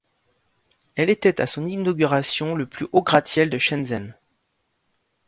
Elle était à son inauguration le plus haut gratte-ciel de Shenzhen.